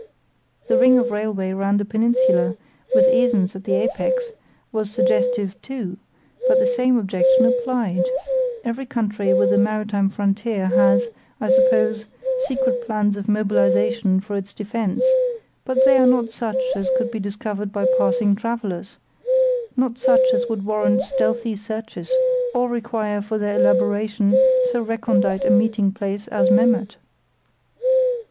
The ring of railway round the peninsula, with Esens at the apex, was suggestive, too; but the same objection applied. Every country with a maritime frontier has, I suppose, secret plans of mobilisation for its defence, but they are not such as could be discovered by passing travellers, not such as would warrant stealthy searches, or require for their elaboration so recondite a meeting place as Memmert.